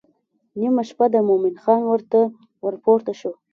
نیمه شپه ده مومن خان ورته ورپورته شو.